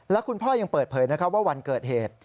และคุณพ่อยังเปิดเผยว่าวันเกิดเหตุ